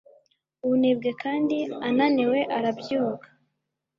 ubunebwe kandi ananiwe arabyuka